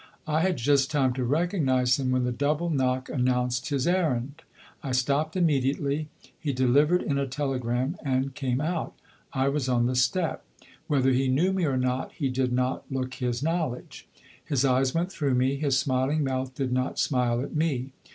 I had just time to recognise him when the double knock announced his errand. I stopped immediately; he delivered in a telegram and came out. I was on the step. Whether he knew me or not he did not look his knowledge. His eyes went through me, his smiling mouth did not smile at me.